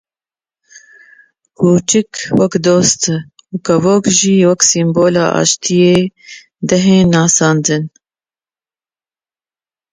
Kûçik wek dost, û kevok jî wek symbola aştiyê dihên nasandin